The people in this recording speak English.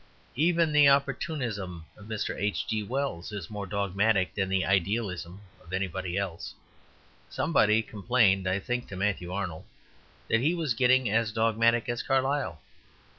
Even the opportunism of Mr. H. G. Wells is more dogmatic than the idealism of anybody else. Somebody complained, I think, to Matthew Arnold that he was getting as dogmatic as Carlyle.